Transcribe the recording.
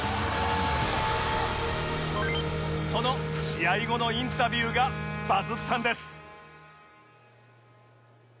その試合後のインタビューがバズったんです